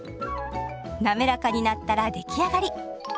なめらかになったら出来上がり。